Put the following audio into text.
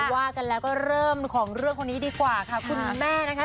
ว่ากันแล้วก็เริ่มของเรื่องคนนี้ดีกว่าค่ะคุณแม่นะคะ